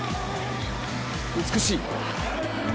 美しい！